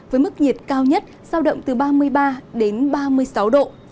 với mức nhiệt cao nhất giao động từ ba mươi ba đến ba mươi sáu độ